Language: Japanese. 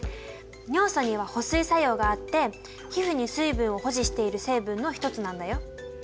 尿素には保水作用があって皮膚に水分を保持している成分の一つなんだよ。